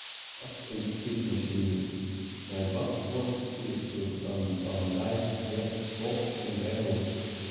Ast in tiidmasine hiest, nei watfoar tiid soest dan dan reizgje wol en wêrom?